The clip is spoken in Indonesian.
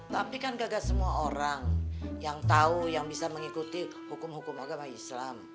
tapi kan gagah semua orang yang tahu yang bisa mengikuti hukum hukum agama islam